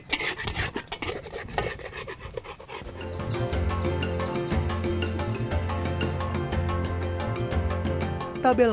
ibu yang balik